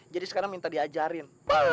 jadi sekarang minta diajarin